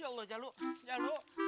ya allah jaluh jaluh